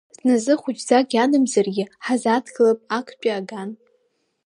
Зназы хәыҷӡак иадамзаргьы ҳазааҭгылап актәи аган.